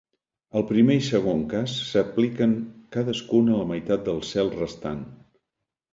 El primer i segon cas s'apliquen cadascun a la meitat del cel restant.